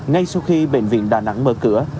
ngay sau khi bệnh viện đà nẵng mở cửa